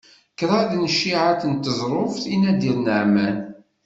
Kraḍ n cciεat n teẓruft i Nadir Naɛman.